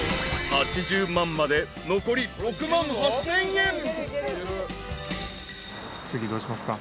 ［８０万まで残り６万８，０００円］